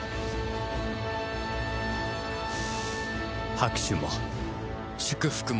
拍手も祝福もない